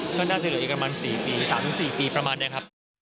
ก็น่าจะอยู่กันประมาณ๔ปี๓๔ปีประมาณเนี่ยครับ